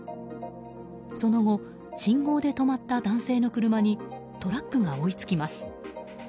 その後、信号で止まった男性の車にトラックが追いつきます。